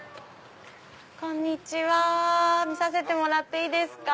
こんにちは見させてもらっていいですか？